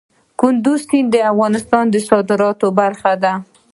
کندز سیند د افغانستان د صادراتو برخه ده.